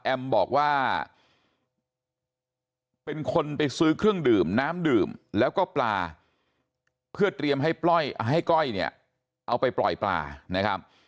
บอกว่าเป็นคนไปซื้อเครื่องดื่มน้ำดื่มแล้วก็ปลาเพื่อเตรียมให้ก้อยเนี่ยเอาไปปล่อยปลานะครับ